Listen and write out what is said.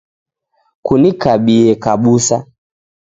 Kunikabie kabusa.